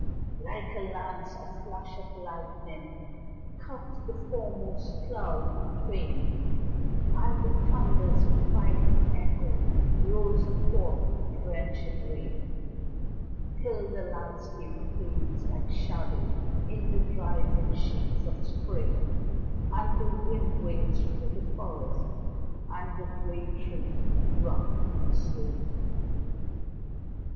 Like a lance, a flash of lightning Cuts the foremost cloud in twain And the thunder's mighty echo Rolls athwart the drenching rain Till the landscape fades like shadows In the driving sheets of spray, And the wind wails through the forest, And the great trees rock and sway.